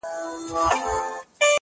چا ويل ډېره سوخي كوي_